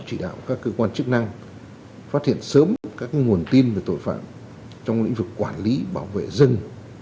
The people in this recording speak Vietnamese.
chỉ đạo các cơ quan chức năng phát hiện sớm các nguồn tin về tội phạm trong lĩnh vực quản lý bảo vệ rừng